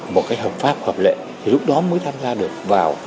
một cái hợp pháp hợp lệ thì lúc đó mới tham gia được